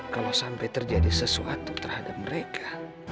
kalau sampai terjadi sesuatu terhadap mereka